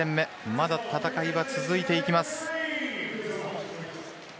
まだ戦いは続いていきます。